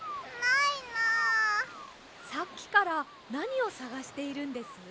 さっきからなにをさがしているんです？